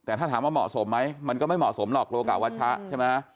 แต่ถ้าถามว่าเหมาะสมไหมมันก็ไม่เหมาะสมหรอกโลกะวัชะใช่ไหม